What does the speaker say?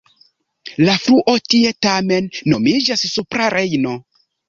La fluo tie tamen nomiĝas Supra Rejno.